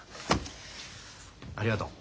ありがとう。